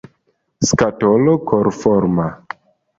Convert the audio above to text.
Skatolo korforma.